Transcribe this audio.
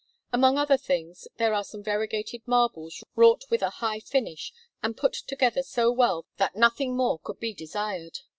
Among other things, there are some variegated marbles wrought with a high finish, and put together so well that nothing more could be desired.